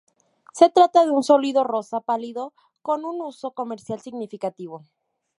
Se trata de un sólido rosa pálido con un uso comercial significativo.